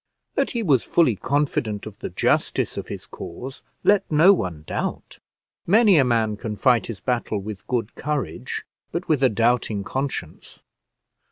That he was fully confident of the justice of his cause let no one doubt. Many a man can fight his battle with good courage, but with a doubting conscience.